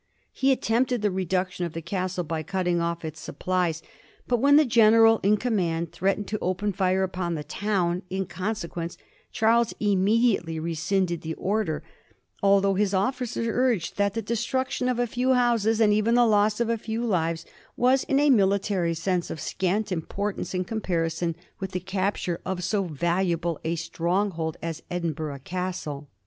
He attempted the reduction of the castle by cutting off its supplies, but when the general in command threatened to open fire upon the town in conse quence, Charles immediately rescinded the order, although 1745. IN Tfl£ H£ABT OF ENGLAND. 217 bis officers nrged that the destruction of a few houses, and even the loss of a few lives, was in a military sense of scant importance in comparison with the capture of so valuable a stronghold as Edinburgb Castle.